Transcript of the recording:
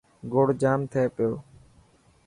گوڙ جام ٿي پيو.